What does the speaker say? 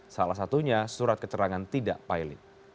salah satunya surat keterangan tidak pilot